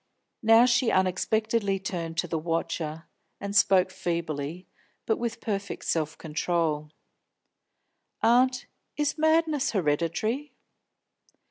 Now she unexpectedly turned to the watcher, and spoke feebly, but with perfect self control. "Aunt, is madness hereditary?"